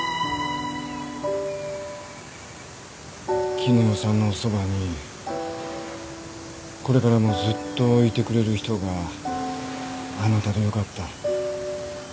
絹代さんのそばにこれからもずっといてくれる人があなたでよかった。